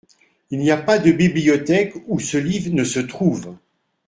Il n’y a pas de bibliothèque où ce livre ne se trouve.